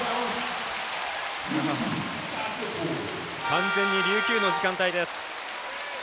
完全に琉球の時間帯です。